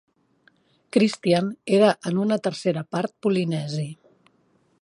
Christian era en una tercera part polinesi.